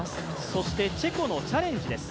そしてチェコのチャレンジです。